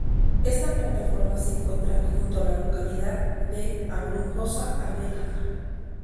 Esta plataforma se encuentra junto a la localidad de Abrunhosa-a-Velha.